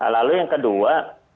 lalu yang kedua